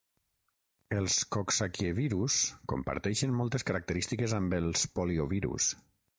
Els coxsackievirus comparteixen moltes característiques amb els poliovirus.